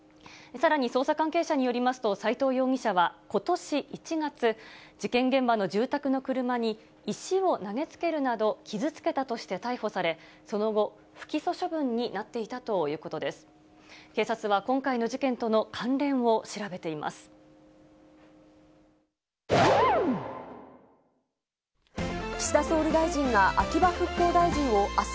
さらに捜査関係者によりますと、斎藤容疑者は、ことし１月、事件現場の住宅の車に石を投げつけるなど傷つけたとして逮捕され、その後、不起訴処分になっていたということです。